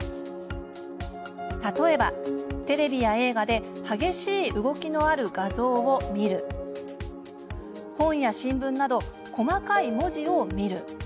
例えば「テレビや映画で激しい動きのある画像を見る」「本や新聞など細かい文字を見る」